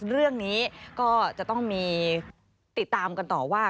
เรื่องนี้ก็จะต้องมีติดตามกันต่อว่า